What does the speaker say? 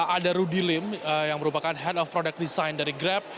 ada rudy lim yang merupakan head of product design dari grab